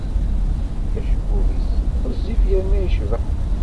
Acebbub-nnes ɣezzif yerna yecbeḥ.